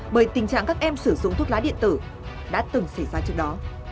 bởi tình trạng các em sử dụng thuốc lá điện tử đã từng xảy ra trước đó